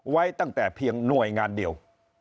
ไว้ตั้งแต่เพียงหน่วยงานเดียว